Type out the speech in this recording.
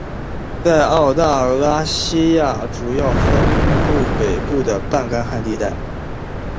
在澳大拉西亚主要分布于北部的半干旱地带。